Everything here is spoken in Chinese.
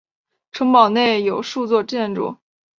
城堡内有数座建筑。